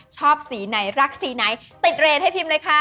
ชอบสีไหนรักสีไหนติดเรทให้พิมพ์เลยค่ะ